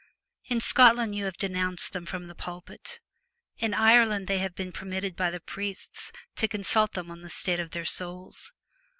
In Scotland you have denounced them from the pulpit. In Ireland they have been permitted by the priests to consult them on the state of their souls.